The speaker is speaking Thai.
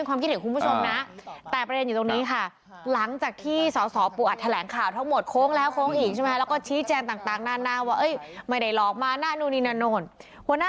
อันนี้เป็นความคิดให้คุณผู้ชมนะ